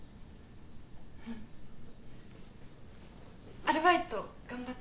アルバイト頑張って。